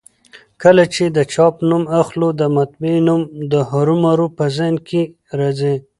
کله چي د چاپ نوم اخلو؛ د مطبعې نوم هرومرو په ذهن کي راځي.